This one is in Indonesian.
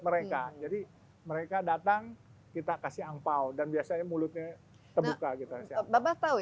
mereka jadi mereka datang kita kasih angpao dan biasanya mulutnya terbuka gitu siapa tahu